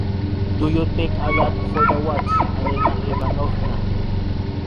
Do you take a lot for the watch, Alena Ivanovna?